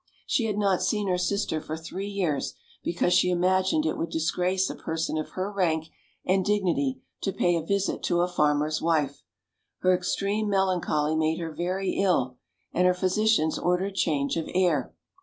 She had not seen her sister for three years, because she imagined it would disgrace a person of her rank and dig nity to pay a visit to a farmer's wife. Her extreme mel ancholy made her very ill, and her physicians ordered change of air.